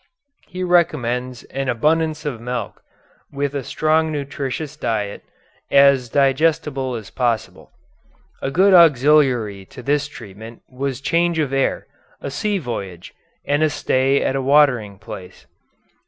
He recommends an abundance of milk with a strong nutritious diet, as digestible as possible. A good auxiliary to this treatment was change of air, a sea voyage, and a stay at a watering place.